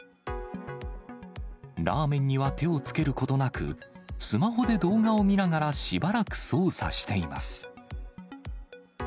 ラーメンには手をつけることなく、スマホで動画を見ながらしばらく操作しています。